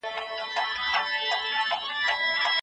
زه هره ورځ نوي ټکي زده کوم.